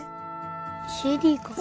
ＣＤかな？